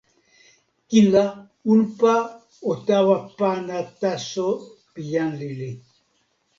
kin la, unpa o tawa pana taso pi jan lili.